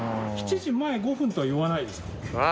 ７時前５分とは言わないですか？